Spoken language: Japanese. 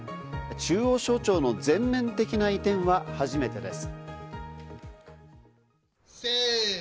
中央省庁の全面的な移転は初めてです。